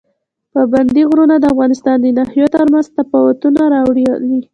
پابندي غرونه د افغانستان د ناحیو ترمنځ تفاوتونه راولي.